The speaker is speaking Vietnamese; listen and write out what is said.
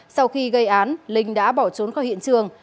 sau khi gây án linh đã bỏ trốn khỏi hiện trường